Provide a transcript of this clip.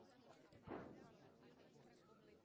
Fue becario de la Sociedad Geológica de Londres.